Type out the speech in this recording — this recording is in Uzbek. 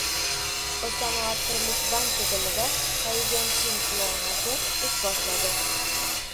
«O‘zsanoatqurilishbank» tizimida «Kaizen teams» loyihasi ish boshladi